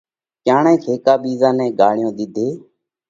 ڪيڻئہ هيڪا ٻِيزا نئہ ڳاۯيون ۮِيڌي۔